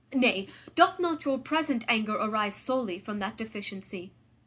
Nay, doth not your present anger arise solely from that deficiency?